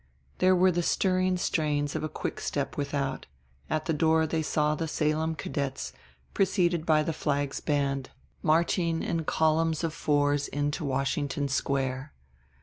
There were the stirring strains of a quickstep without; at the door they saw the Salem Cadets, preceded by Flag's Band, marching in columns of fours into Washington Square.